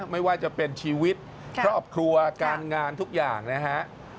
ไม่ว่าจะเป็นชีวิตครอบครัวการงานทุกอย่างนะฮะ